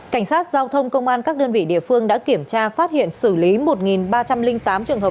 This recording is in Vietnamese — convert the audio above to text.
cảnh sát giao thông công an các đơn vị địa phương đã kiểm tra phát hiện xử lý một ba trăm linh tám trường hợp